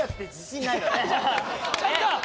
ちょっと！